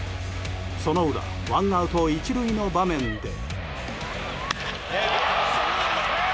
その裏ワンアウト１塁の場面で。